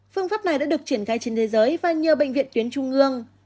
phương pháp này đã được triển khai trên thế giới và nhiều bệnh viện tuyến trung ương